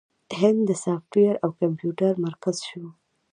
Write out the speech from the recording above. هند د سافټویر او کمپیوټر مرکز شو.